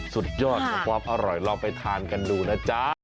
สุดยอดของความอร่อยลองไปทานกันดูนะจ๊ะ